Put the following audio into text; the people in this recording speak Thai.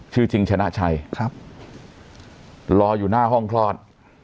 จริงชนะชัยครับรออยู่หน้าห้องคลอด